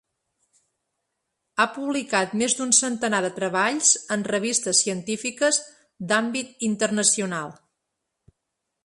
Ha publicat més d’un centenar de treballs en revistes científiques d’àmbit internacional.